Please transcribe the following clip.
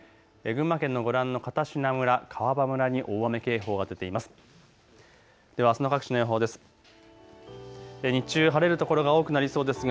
群馬県のご覧の片品村、川場村に大雨警報が出ています。